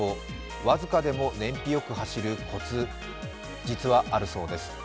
僅かでも燃費良く走るコツ実は、あるそうです。